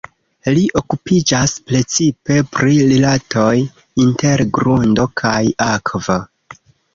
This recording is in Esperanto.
Li okupiĝas precipe pri rilatoj inter grundo kaj akvo.